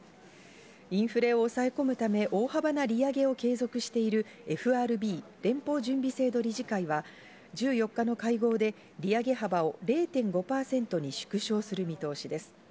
インフレを抑え込むため大幅な利上げを継続しているＦＲＢ＝連邦準備制度理事会は１４日の会合で利上げ幅を０．５％に縮小する見通しです。